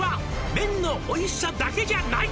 「麺のおいしさだけじゃない！」